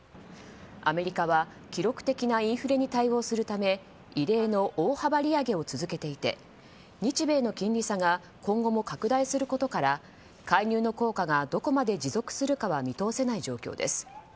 アメリカは記録的なインフレに対応するため異例の大幅利上げを続けていて日米の金利差が今後も拡大することから介入の効果がどこまで持続するかは見通せない状況です。